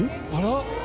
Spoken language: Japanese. あら？